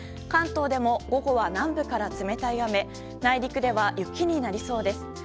関東でも午後は南部から冷たい雨内陸では雪になりそうです。